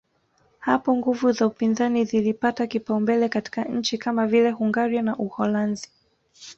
Hapo nguvu za upinzani zilipata kipaumbele katika nchi kama vile Hungaria na Uholanzi